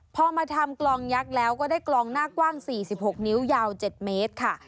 พอมาทำกลองยักษ์แล้วก็ได้กลองหน้ากว้าง๔๖นิ้วยาว๗เมตรค่ะ